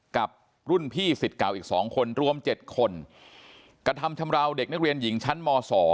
กับรุ่นพี่สิทธิ์เก่าอีก๒คนรวม๗คนกระทำชำราวเด็กนักเรียนหญิงชั้นม๒